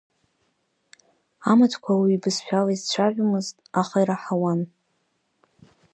Амаҭқәа ауаҩы ибызшәала изцәажәомызт, аха ираҳауан.